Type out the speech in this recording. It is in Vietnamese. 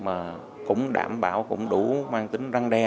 mà cũng đảm bảo cũng đủ mang tính răng đe